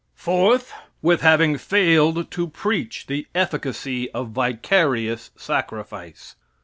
Fourth. With having failed to preach the efficacy of vicarious sacrifice.